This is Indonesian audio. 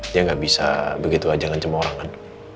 dia gak bisa begitu aja ngecemo orang kan